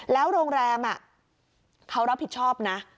แล้วโรงแรมเขารับผิดชอบนะ